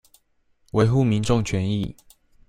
維護民眾權益